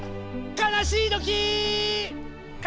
かなしいときー！